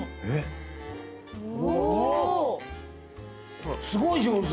ほらすごい上手。